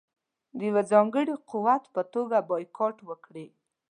د یوه ځانګړي قوت په توګه بایکاټ وکړي.